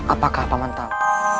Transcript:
apakah paman tahu